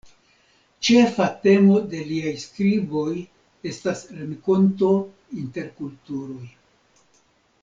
Ĉefa temo de liaj skriboj estas renkonto inter kulturoj.